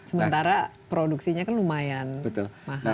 sementara produksinya kan lumayan mahal